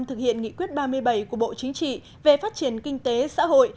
thực hiện nghị quyết ba mươi bảy của bộ chính trị về phát triển kinh tế xã hội